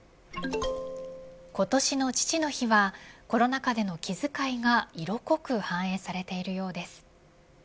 今年の父の日はコロナ禍での気遣いが色濃く反映されているようです。